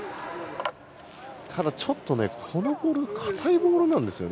ただちょっと青のボールが硬いボールなんですよね。